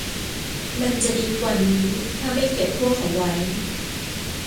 มันจะดีกว่านี้ถ้าไม่เก็บพวกเขาไว้